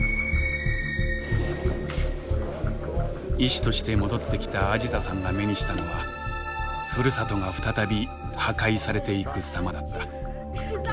医師として戻ってきたアジザさんが目にしたのはふるさとが再び破壊されていく様だった。